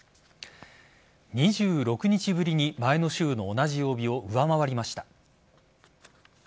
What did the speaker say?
２６日ぶりに前の週の同じ曜日を上回りました。